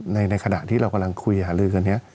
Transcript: ในขณะที่เรากำลังคุยหาลือกันนี้